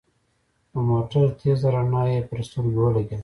د موټر تېزه رڼا يې پر سترګو ولګېده.